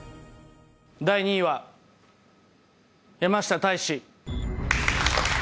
第２位は山下泰史